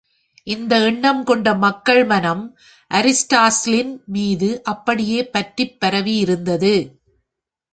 இந்த எண்ணம் கொண்ட மக்கள் மனம், அரிஸ்டாட்டிலின் மீதும் அப்படியே பற்றிப் பரவி இருந்தது!